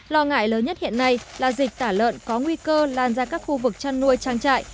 lo ngại lớn nhất hiện nay là dịch tả lợn có nguy cơ lan ra các khu vực chăn nuôi trang trại